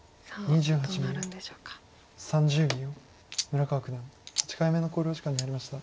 村川九段８回目の考慮時間に入りました。